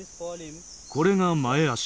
これが前足。